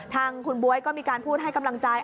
ทางคุณบ๊วยก็มีการพูดให้กำลังใจ